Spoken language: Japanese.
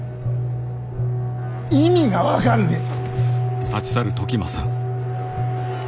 意味が分かんねえ！